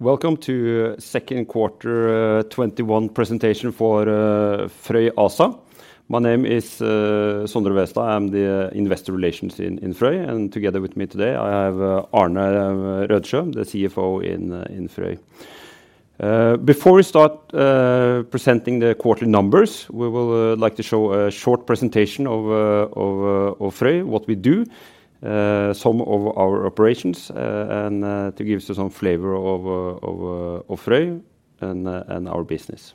Welcome to second quarter 2021 presentation for Frøy ASA. My name is Sondre Vevstad. I'm the Investor Relations in Frøy, and together with me today, I have Arne Rødsjø, the CFO in Frøy. Before we start presenting the quarterly numbers, we will like to show a short presentation of Frøy, what we do, some of our operations, and to give some flavor of Frøy and our business.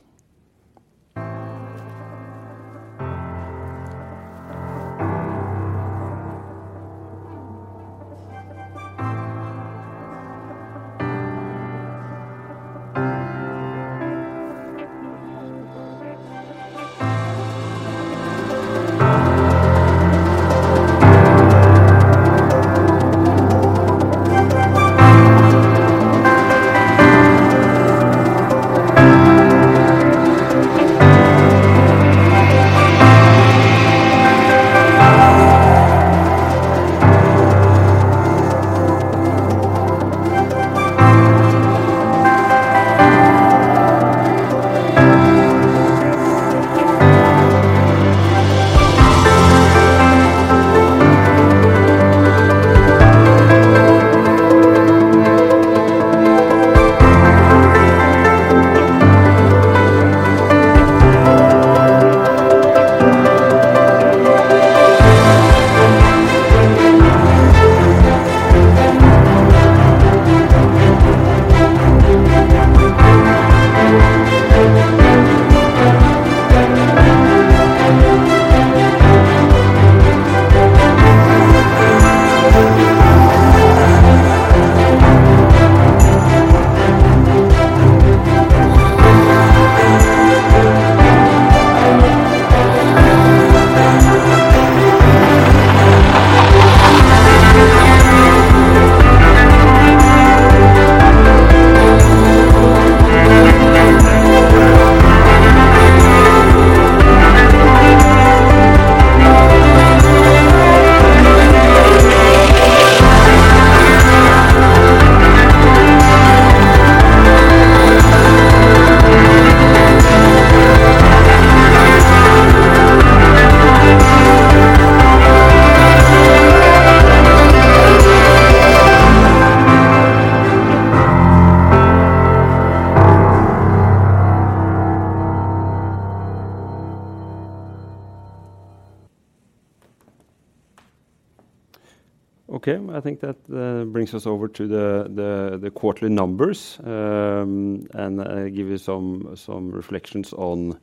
Okay. I think that brings us over to the quarterly numbers. I give you some reflections on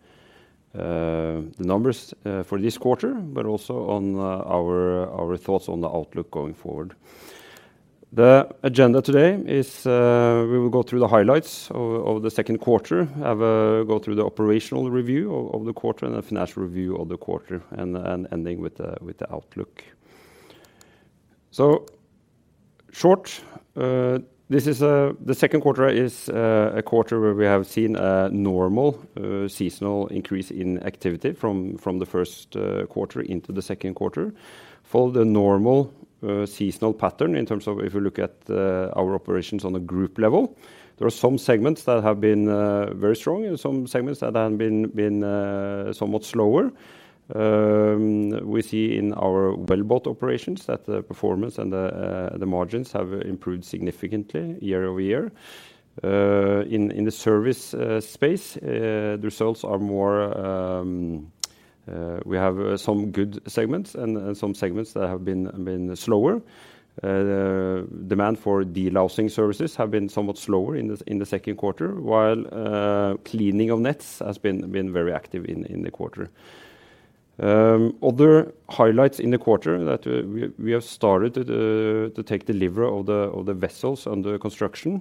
the numbers for this quarter, but also on our thoughts on the outlook going forward. The agenda today is we will go through the highlights of the second quarter, go through the operational review of the quarter, and the financial review of the quarter, and ending with the outlook. Short, the second quarter is a quarter where we have seen a normal seasonal increase in activity from the first quarter into the second quarter. Follow the normal seasonal pattern in terms of if you look at our operations on a group level. There are some segments that have been very strong and some segments that have been somewhat slower. We see in our wellboat operations that the performance and the margins have improved significantly year-over-year. In the service space, we have some good segments and some segments that have been slower. Demand for delousing services have been somewhat slower in the second quarter, while cleaning of nets has been very active in the quarter. Other highlights in the quarter that we have started to take delivery of the vessels under construction.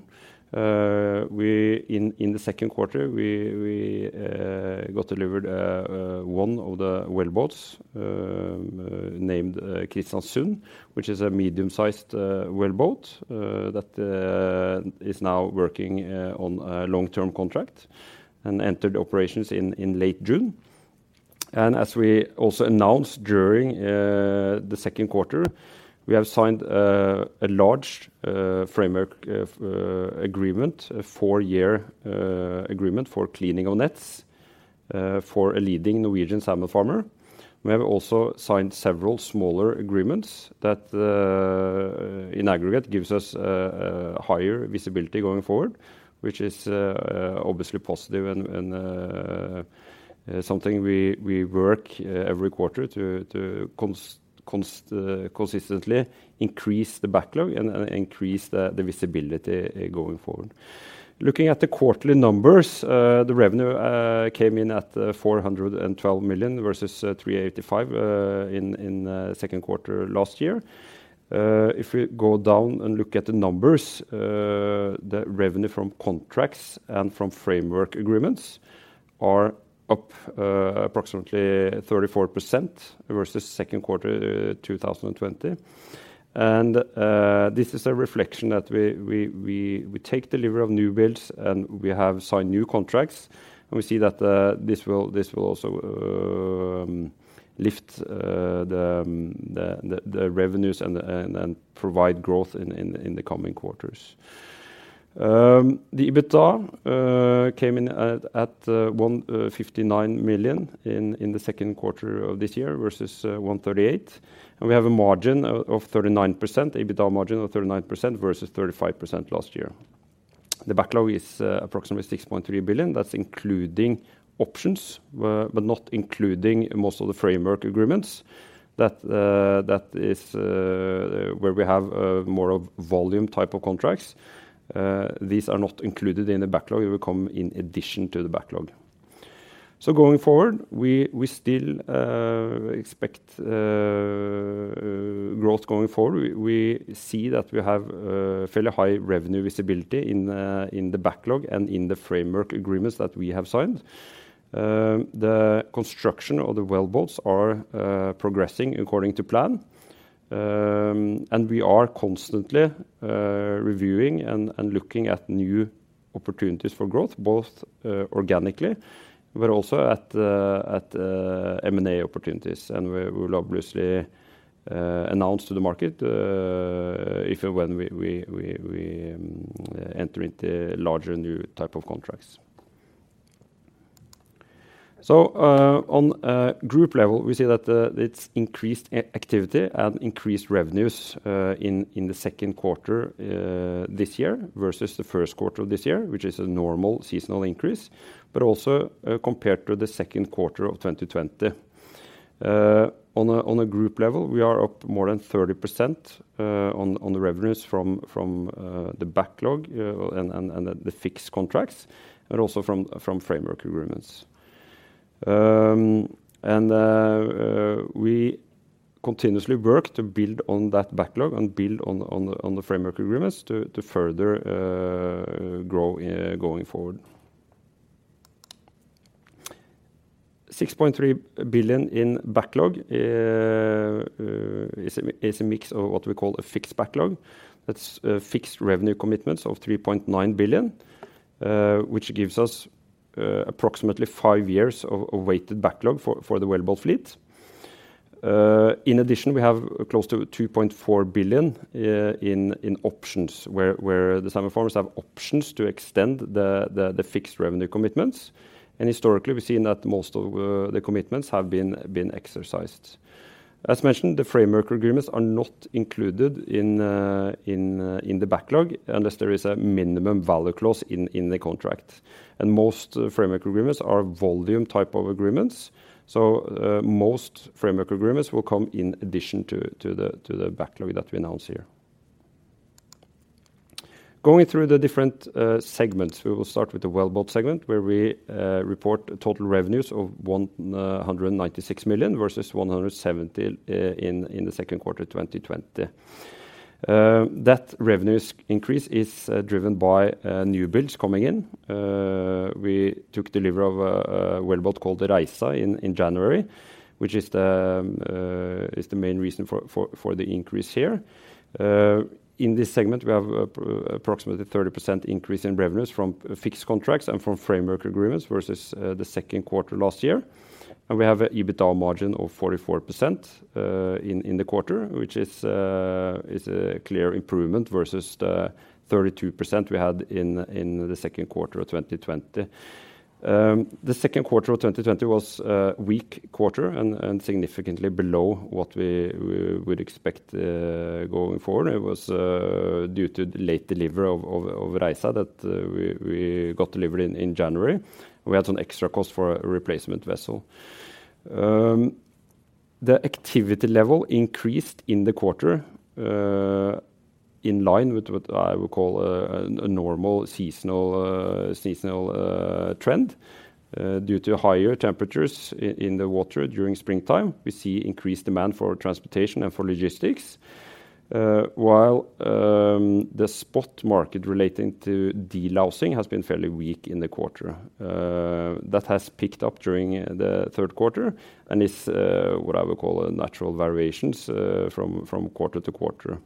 In the second quarter, we got delivered one of the wellboats, named Kristiansund, which is a medium-sized wellboat that is now working on a long-term contract and entered operations in late June. As we also announced during the second quarter, we have signed a large framework agreement, a four year agreement for cleaning of nets for a leading Norwegian salmon farmer. We have also signed several smaller agreements that in aggregate gives us higher visibility going forward, which is obviously positive and something we work every quarter to consistently increase the backlog and increase the visibility going forward. Looking at the quarterly numbers, the revenue came in at 412 million versus 385 million in second quarter last year. If we go down and look at the numbers, the revenue from contracts and from framework agreements are up approximately 34% versus second quarter 2020. This is a reflection that we take delivery of new builds, and we have signed new contracts, and we see that this will also lift the revenues and provide growth in the coming quarters. The EBITDA came in at 159 million in the second quarter of this year versus 138, and we have a margin of 39%, EBITDA margin of 39% versus 35% last year. The backlog is approximately 6.3 billion. That's including options but not including most of the framework agreements. That is where we have more of volume type of contracts. These are not included in the backlog. It will come in addition to the backlog. Going forward, we still expect growth going forward. We see that we have fairly high revenue visibility in the backlog and in the framework agreements that we have signed. The construction of the wellboats are progressing according to plan. We are constantly reviewing and looking at new opportunities for growth, both organically but also at M&A opportunities. We will obviously announce to the market if and when we enter into larger new type of contracts. On a group level, we see that it's increased activity and increased revenues in the second quarter this year versus the first quarter of this year, which is a normal seasonal increase, but also compared to the second quarter of 2020. On a group level, we are up more than 30% on the revenues from the backlog and the fixed contracts, but also from framework agreements. We continuously work to build on that backlog and build on the framework agreements to further grow going forward. NOK 6.3 billion in backlog is a mix of what we call a fixed backlog. That's fixed revenue commitments of 3.9 billion, which gives us approximately five years of weighted backlog for the wellboat fleet. In addition, we have close to 2.4 billion in options where the farmers have options to extend the fixed revenue commitments. Historically, we've seen that most of the commitments have been exercised. As mentioned, the framework agreements are not included in the backlog unless there is a minimum value clause in the contract. Most framework agreements are volume type of agreements. Most framework agreements will come in addition to the backlog that we announce here. Going through the different segments, we will start with the wellboat segment where we report total revenues of 196 million versus 170 million in the second quarter of 2020. That revenues increase is driven by new builds coming in. We took delivery of a wellboat called the Reisa in January, which is the main reason for the increase here. In this segment, we have approximately 30% increase in revenues from fixed contracts and from framework agreements versus the second quarter last year. We have an EBITDA margin of 44% in the quarter, which is a clear improvement versus the 32% we had in the second quarter of 2020. The second quarter of 2020 was a weak quarter and significantly below what we would expect going forward. It was due to the late delivery of Reisa that we got delivered in January. We had some extra cost for a replacement vessel. The activity level increased in the quarter in line with what I would call a normal seasonal trend. Due to higher temperatures in the water during springtime, we see increased demand for transportation and for logistics, while the spot market relating to delousing has been fairly weak in the quarter. That has picked up during the third quarter and is what I would call natural variations from quarter to quarter.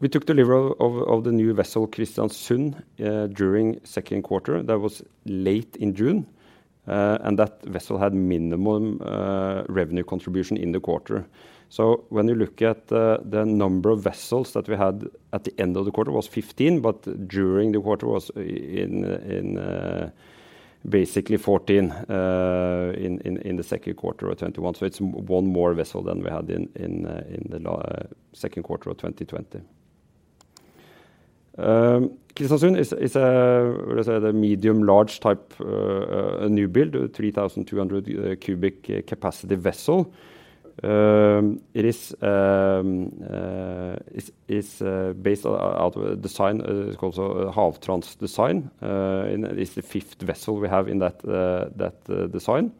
We took delivery of the new vessel Kristiansund during second quarter. That was late in June. That vessel had minimum revenue contribution in the quarter. When you look at the number of vessels that we had at the end of the quarter was 15. During the quarter was basically 14 in the second quarter of 2021. It's one more vessel than we had in the second quarter of 2020. Kristiansund is a medium large type new build, 3,200 cubic capacity vessel. It is based out of a design, it's called Havtrans design, and it's the fifth vessel we have in that design.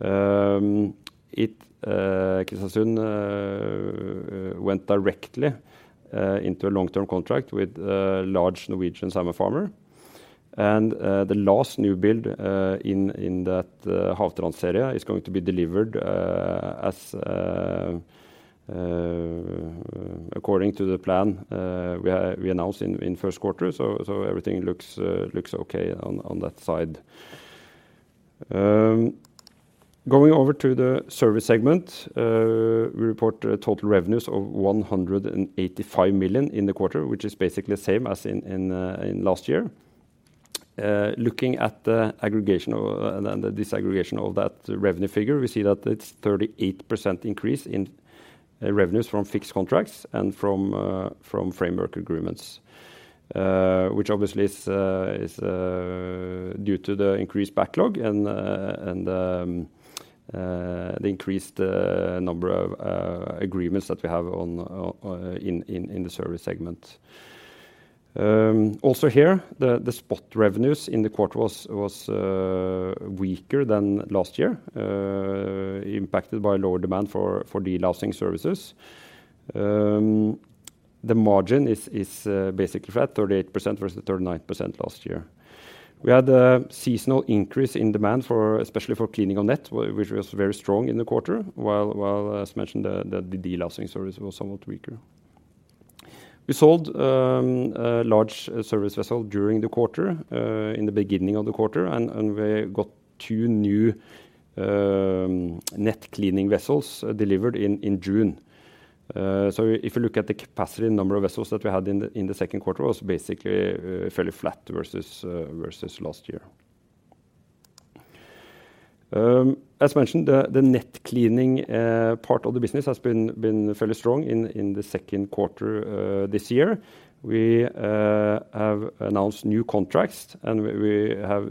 Kristiansund went directly into a long-term contract with a large Norwegian salmon farmer. The last new build in that Havtrans series is going to be delivered according to the plan we announced in the first quarter. Everything looks okay on that side. Going over to the service segment, we report total revenues of 185 million in the quarter, which is basically the same as in last year. Looking at the disaggregation of that revenue figure, we see that it's 38% increase in revenues from fixed contracts and from framework agreements, which obviously is due to the increased backlog and the increased number of agreements that we have in the service segment. Here, the spot revenues in the quarter was weaker than last year, impacted by lower demand for delousing services. The margin is basically flat, 38% versus 39% last year. We had a seasonal increase in demand especially for cleaning of net, which was very strong in the quarter, while as mentioned, the delousing service was somewhat weaker. We sold a large service vessel during the quarter, in the beginning of the quarter, and we got two new net-cleaning vessels delivered in June. If you look at the capacity number of vessels that we had in the second quarter, it was basically fairly flat versus last year. As mentioned, the net cleaning part of the business has been fairly strong in the second quarter this year. We have announced new contracts. We have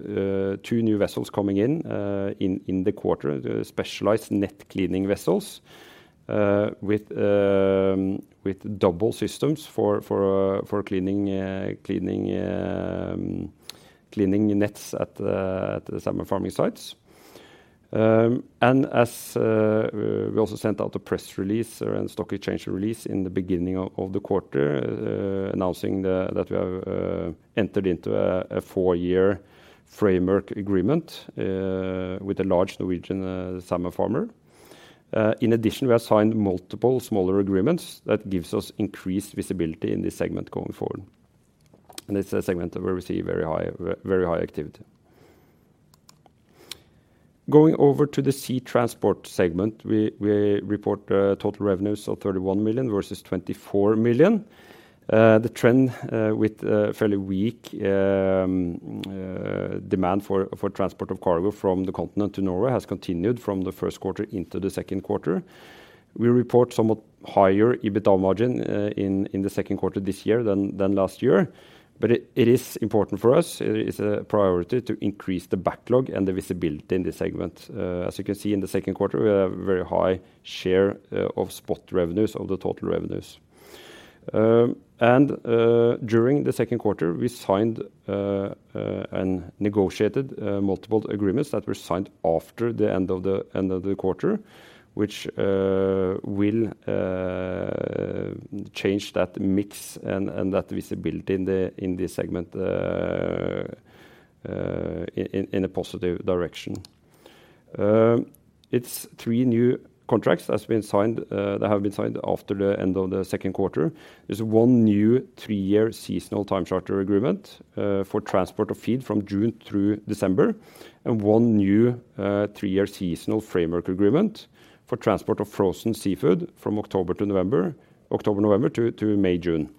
two new vessels coming in the quarter. They are specialized net cleaning vessels with double systems for cleaning nets at the salmon farming sites. As we also sent out a press release and stock exchange release in the beginning of the quarter announcing that we have entered into a four year framework agreement with a large Norwegian salmon farmer. In addition, we have signed multiple smaller agreements that gives us increased visibility in this segment going forward. It's a segment where we see very high activity. Going over to the sea transport segment, we report total revenues of 31 million versus 24 million. The trend with fairly weak demand for transport of cargo from the continent to Norway has continued from the first quarter into the second quarter. We report somewhat higher EBITDA margin in the second quarter this year than last year. It is important for us, it is a priority to increase the backlog and the visibility in this segment. As you can see in the second quarter, we have very high share of spot revenues of the total revenues. During the second quarter, we signed and negotiated multiple agreements that were signed after the end of the quarter, which will change that mix and that visibility in this segment in a positive direction. It's three new contracts that have been signed after the end of the second quarter. There's one new three year seasonal time charter agreement for transport of feed from June through December and one new three year seasonal framework agreement for transport of frozen seafood from October, November to May, June.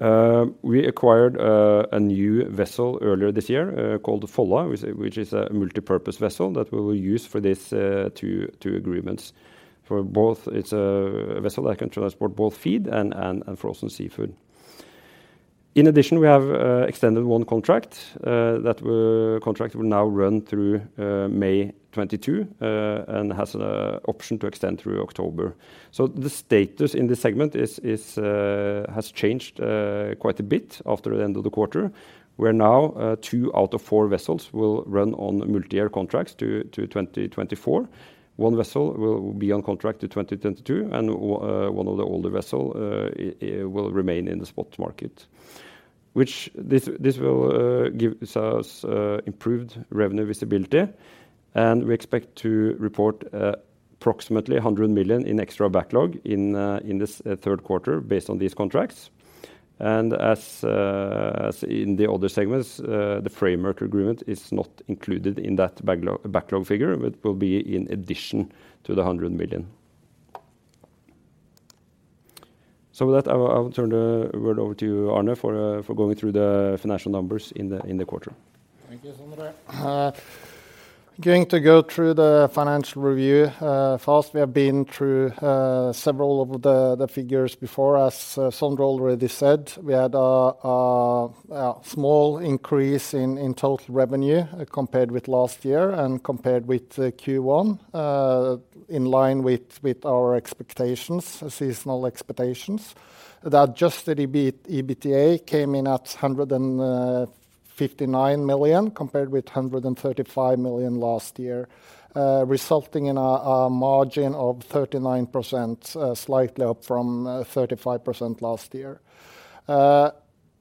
We acquired a new vessel earlier this year called the Folla, which is a multipurpose vessel that we will use for these two agreements. It's a vessel that can transport both feed and frozen seafood. In addition, we have extended one contract. That contract will now run through May 2022 and has an option to extend through October. The status in this segment has changed quite a bit after the end of the quarter, where now two out of four vessels will run on multi-year contracts to 2024. One vessel will be on contract to 2022, and one of the older vessels will remain in the spot market. This will give us improved revenue visibility, and we expect to report approximately 100 million in extra backlog in this third quarter based on these contracts. As in the other segments, the framework agreement is not included in that backlog figure. It will be in addition to the 100 million. With that, I will turn the word over to you, Arne, for going through the financial numbers in the quarter. Thank you, Sondre Vevstad. Going to go through the financial review fast. We have been through several of the figures before. As Sondre Vevstad already said, we had a small increase in total revenue compared with last year and compared with Q1, in line with our seasonal expectations. The adjusted EBITDA came in at 159 million compared with 135 million last year, resulting in a margin of 39%, slightly up from 35% last year.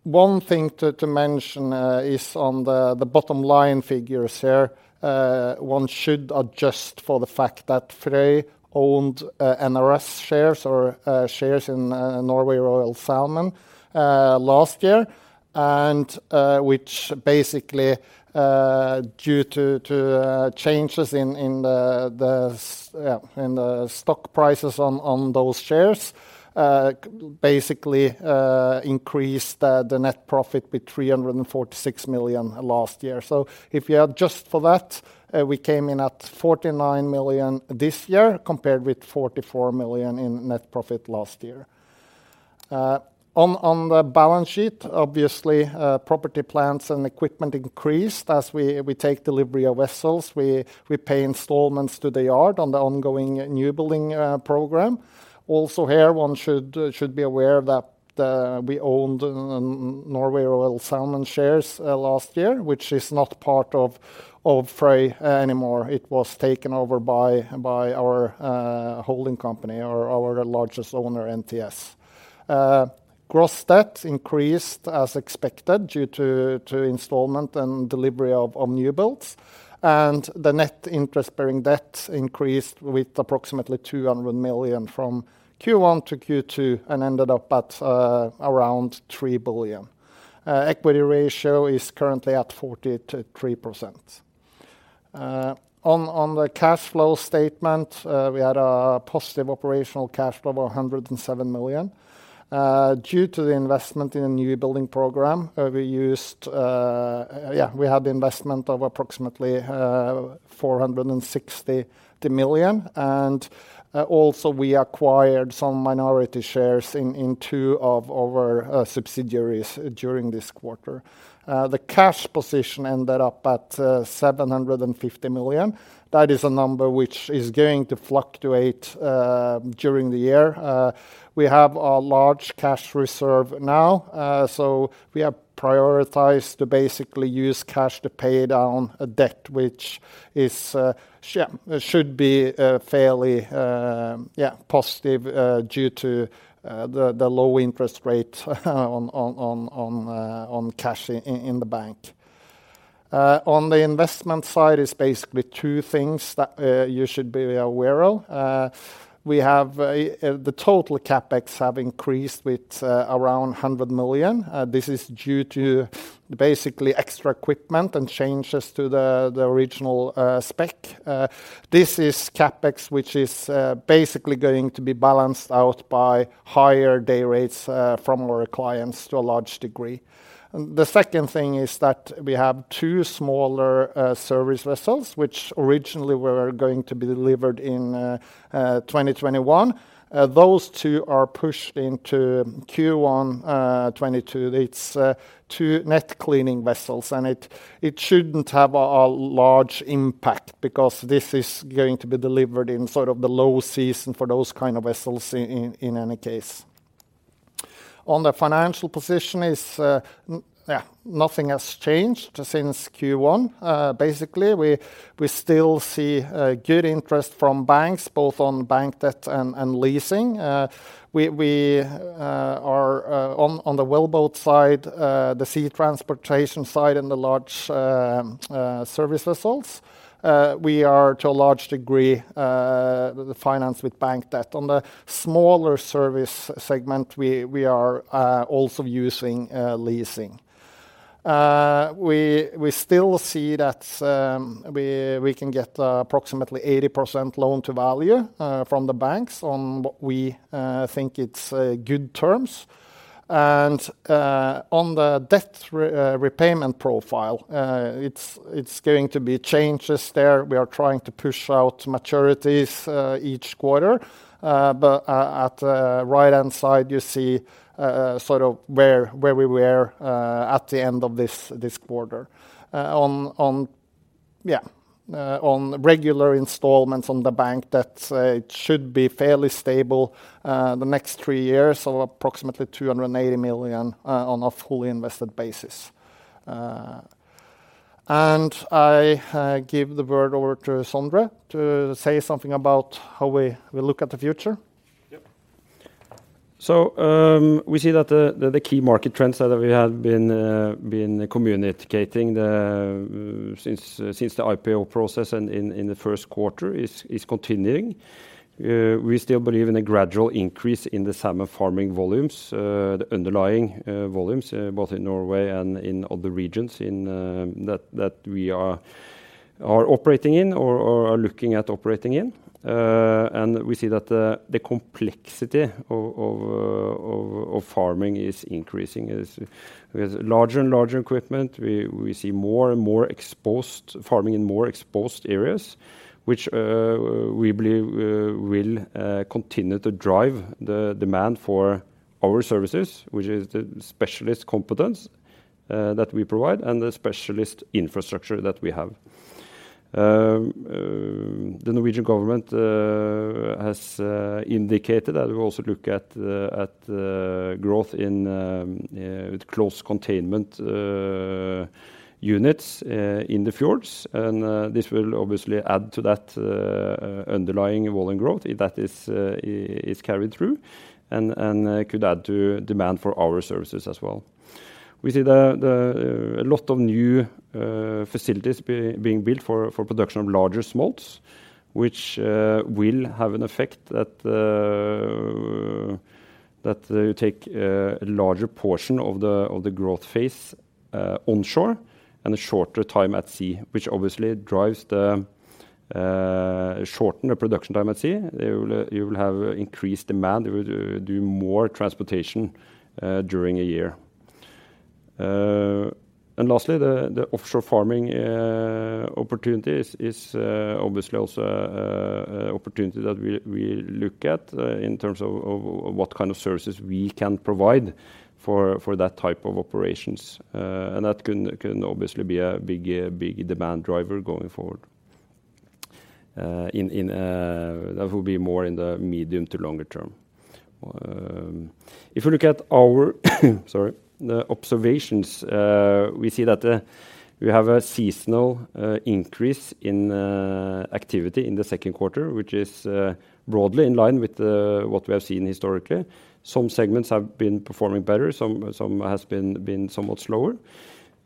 One thing to mention is on the bottom line figures here, one should adjust for the fact that Frøy owned NRS shares or shares in Norway Royal Salmon last year, which basically due to changes in the stock prices on those shares, basically increased the net profit with 346 million last year. If you adjust for that, we came in at 49 million this year compared with 44 million in net profit last year. On the balance sheet, obviously, property plants and equipment increased. As we take delivery of vessels, we pay installments to the yard on the ongoing new building program. Here, one should be aware that we owned Norway Royal Salmon shares last year, which is not part of Frøy anymore. It was taken over by our holding company or our largest owner, NTS. Gross debt increased as expected due to installment and delivery of new builds, and the net interest-bearing debt increased with approximately 200 million from Q1 to Q2 and ended up at around 3 billion. Equity ratio is currently at 43%. On the cash flow statement, we had a positive operational cash flow of 107 million. Due to the investment in a new building program, we had the investment of approximately 460 million, and also we acquired some minority shares in two of our subsidiaries during this quarter. The cash position ended up at 750 million. That is a number which is going to fluctuate during the year. We have a large cash reserve now, we have prioritized to basically use cash to pay down a debt, which should be fairly positive due to the low-interest rate on cash in the bank. On the investment side is basically two things that you should be aware of. The total CapEx have increased with around 100 million. This is due to basically extra equipment and changes to the original spec. This is CapEx, which is basically going to be balanced out by higher day rates from our clients to a large degree. The second thing is that we have two smaller service vessels which originally were going to be delivered in 2021. Those two are pushed into Q1 2022. It's two net cleaning vessels, it shouldn't have a large impact because this is going to be delivered in sort of the low season for those kind of vessels in any case. On the financial position is nothing has changed since Q1. Basically, we still see good interest from banks, both on bank debt and leasing. We are on the wellboat side, the sea transportation side, and the large service vessels. We are, to a large degree, financed with bank debt. On the smaller service segment, we are also using leasing. We still see that we can get approximately 80% loan-to-value from the banks on what we think it's good terms. On the debt repayment profile, it's going to be changes there. We are trying to push out maturities each quarter. At the right-hand side, you see sort of where we were at the end of this quarter. On regular installments on the bank debt, it should be fairly stable the next three years of approximately 280 million on a fully invested basis. I give the word over to Sondre to say something about how we look at the future. Yep. We see that the key market trends that we have been communicating since the IPO process and in the first quarter is continuing. We still believe in a gradual increase in the salmon farming volumes, the underlying volumes both in Norway and in other regions that we are operating in or are looking at operating in. We see that the complexity of farming is increasing. With larger and larger equipment, we see more and more farming in more exposed areas, which we believe will continue to drive the demand for our services, which is the specialist competence that we provide and the specialist infrastructure that we have. The Norwegian government has indicated that we also look at growth with closed containment units in the fjords. This will obviously add to that underlying volume growth that is carried through and could add to demand for our services as well. We see a lot of new facilities being built for production of larger smolts, which will have an effect that they take a larger portion of the growth phase onshore and a shorter time at sea, which obviously drives the shortened production time at sea. You will have increased demand. You will do more transportation during a year. Lastly, the offshore farming opportunity is obviously also an opportunity that we look at in terms of what kind of services we can provide for that type of operations. That can obviously be a big demand driver going forward. That will be more in the medium to longer term. If you look at our observations, we see that we have a seasonal increase in activity in the second quarter, which is broadly in line with what we have seen historically. Some segments have been performing better, some have been somewhat slower.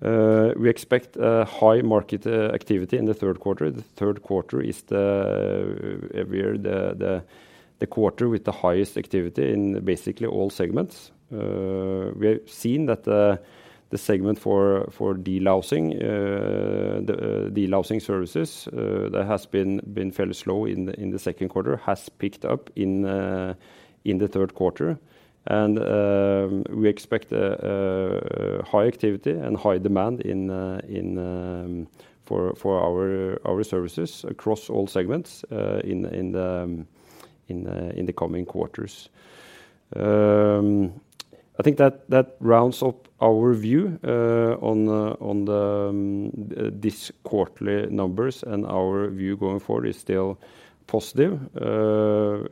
We expect high market activity in the third quarter. The third quarter is every year the quarter with the highest activity in basically all segments. We have seen that the segment for delousing services that has been fairly slow in the second quarter, has picked up in the third quarter. We expect high activity and high demand for our services across all segments in the coming quarters. I think that rounds up our view on these quarterly numbers and our view going forward is still positive.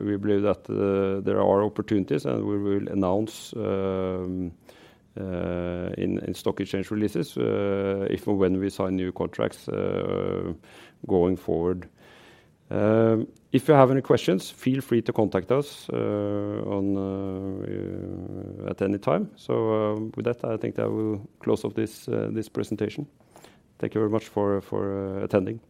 We believe that there are opportunities, and we will announce in stock exchange releases if or when we sign new contracts going forward. If you have any questions, feel free to contact us at any time. With that, I think I will close off this presentation. Thank you very much for attending.